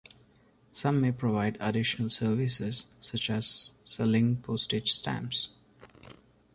Some may provide additional services, such as selling postage stamps.